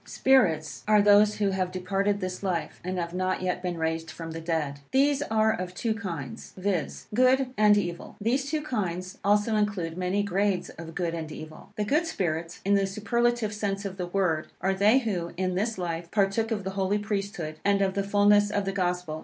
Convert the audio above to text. SPIRITS are those who have departed this life, and have not yet been raised from the dead. These are of two kinds, viz. Good and evil. These two kinds also include many grades of good and evil. The good spirits, in the superlative sense of the word, are they who, in this life, partook of the Holy Priesthood, and of the fulness of the Gospel.